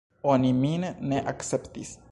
Oni min ne akceptis.